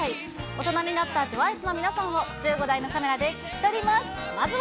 大人になったＴＷＩＣＥの皆さんを、１５台のカメラで聞き撮ります。